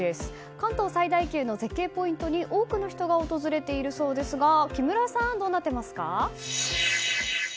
関東最大級の絶景ポイントに多くの人が訪れているそうですが木村さん、どうなっていますか。